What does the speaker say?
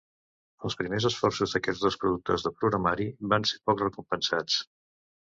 Els primers esforços d'aquests dos productors de programari van ser poc recompensats.